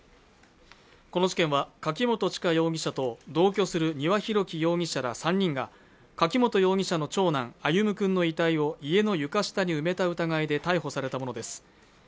この事件は柿本知香容疑者と同居する丹羽洋樹容疑者ら３人が柿本容疑者の長男歩夢君の遺体を家の床下に埋めた疑いで逮捕されたものです